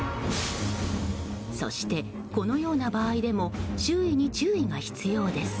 そして、このような場合でも周囲に注意が必要です。